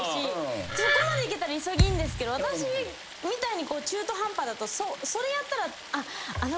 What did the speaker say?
そこまでいけたら潔いんですけど私みたいに中途半端だとそれやったら。